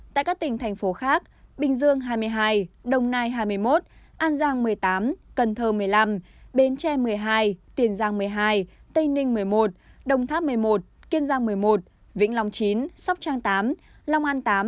tại các tỉnh thành phố khác bình dương hai mươi hai đồng nai hai mươi một an giang một mươi tám cần thơ một mươi năm bến tre một mươi hai tiền giang một mươi hai tây ninh một mươi một đồng tháp một mươi một kiên giang một mươi một vĩnh long chín sóc trăng tám long an tám